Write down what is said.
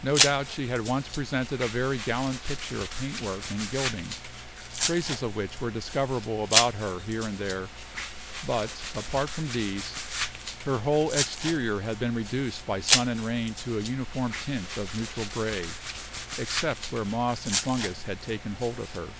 No doubt she had once presented a very gallant picture of paintwork and gilding, traces of which were discoverable about her here and there, but, apart from these, her whole exterior had been reduced by sun and rain to a uniform tint of neutral grey, except where moss and fungus had taken hold of her.